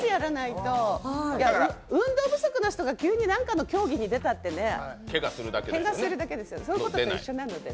だから運動不足の人が何かの競技に出たってけがをするだけで、そういうことと一緒なのでね。